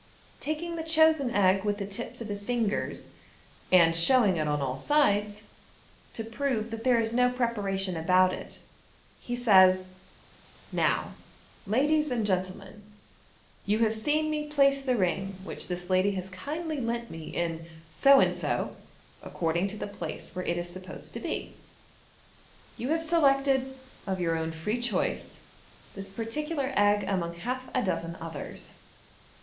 Taking the chosen egg with the tips of his fingers, and showing it on all sides, to prove that there is no pre paration about it, he says, " Now, ladies and gentlemen, you have seen me place the ring which this lady has kindly lent me in ' so and so '" (according to the place where it is supposed to be). " You have selected, of your own free choice, this particular egg among half a dozen others.